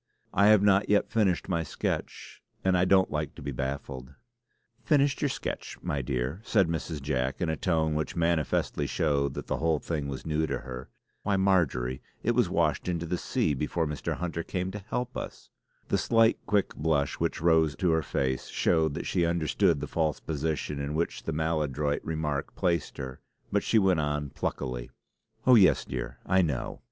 I have not yet finished my sketch, and I don't like to be baffled." "Finished your sketch, my dear," said Mrs. Jack, in a tone which manifestly showed that the whole thing was new to her. "Why, Marjory, it was washed into the sea before Mr. Hunter came to help us!" The slight, quick blush which rose to her face showed that she understood the false position in which the maladroit remark placed her; but she went on pluckily: "Oh, yes, dear, I know!